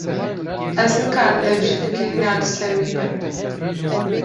Ez nikarim dev ji fikirîna li ser wî berdim.